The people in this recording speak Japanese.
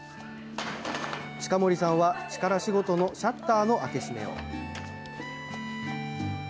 近森さんは力仕事のシャッターの開け閉めを。